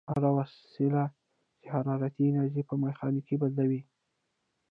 هره وسیله چې حرارتي انرژي په میخانیکي بدلوي.